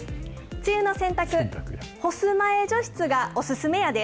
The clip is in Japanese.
梅雨の洗濯、干す前除湿がお勧めやで！